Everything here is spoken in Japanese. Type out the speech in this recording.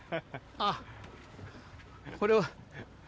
あ、これは。